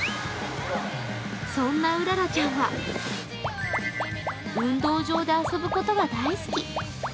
そんなうららちゃんは運動場で遊ぶことが大好き。